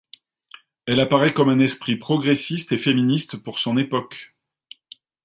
Elle apparaît comme un esprit progressiste et féministe pour son époque.